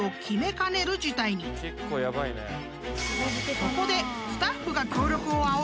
［そこで］